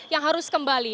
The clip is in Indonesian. yang harus kembali